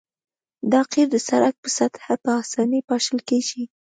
دا قیر د سرک په سطحه په اسانۍ پاشل کیږي